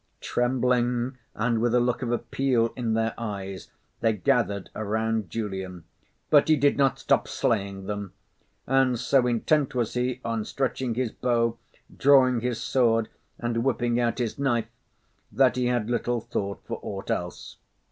Trembling, and with a look of appeal in their eyes, they gathered around Julian, but he did not stop slaying them; and so intent was he on stretching his bow, drawing his sword and whipping out his knife, that he had little thought for aught else.